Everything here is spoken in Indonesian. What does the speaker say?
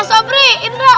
eh sobri indra